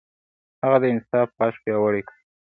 هغه د انصاف غږ پياوړی کړ.